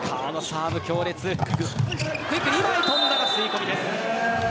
クイック、２枚跳んだが吸い込みです。